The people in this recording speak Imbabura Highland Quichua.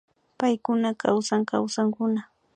Paykuna kawsan kawsankuna